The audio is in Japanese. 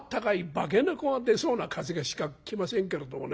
化け猫が出そうな風しか来ませんけれどもね」。